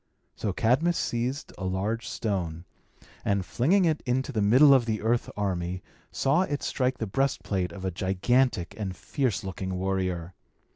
So Cadmus seized a large stone, and, flinging it into the middle of the earth army, saw it strike the breast plate of a gigantic and fierce looking warrior.